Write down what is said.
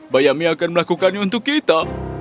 bayami akan melakukannya untuk kita